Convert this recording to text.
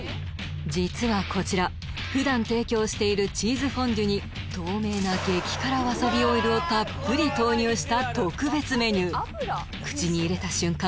実はこちらふだん提供しているチーズフォンデュに透明な激辛わさびオイルをたっぷり投入した特別メニュー口に入れた瞬間